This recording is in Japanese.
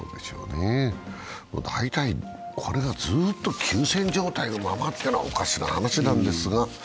大体、これがずっと休戦状態のままというのはおかしな話なんですが。